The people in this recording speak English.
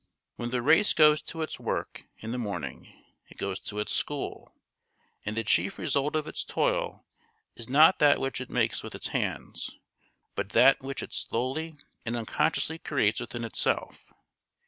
When the race goes to its work in the morning, it goes to its school; and the chief result of its toil is not that which it makes with its hands, but that which it slowly and unconsciously creates within itself.